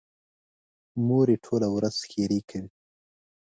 مور یې ټوله ورځ ښېرې کوي.